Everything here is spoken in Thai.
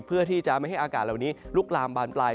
เพื่อที่จะไม่ให้อากาศเหล่านี้ลุกลามบานปลาย